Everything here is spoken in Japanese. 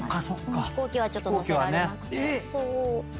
飛行機はちょっと乗せられなくて。